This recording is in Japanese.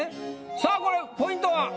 さあこれポイントは？